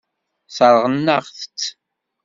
Sseṛɣen-aɣ-tt.